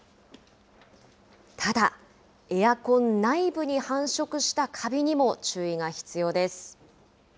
ただ、エアコン内部に繁殖したカビにも注意が必要です。